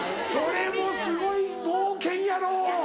それもすごい冒険やろう。